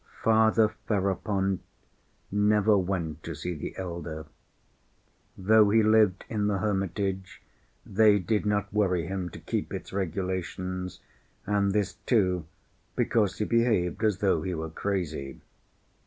Father Ferapont never went to see the elder. Though he lived in the hermitage they did not worry him to keep its regulations, and this too because he behaved as though he were crazy.